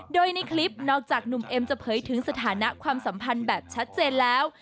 โดยในคลิปนอกจากหนุ่มเอ็มจะเผยถึงสถานะความสัมพันธ์แบบชัดเจนแล้ว